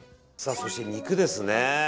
そして、肉ですね。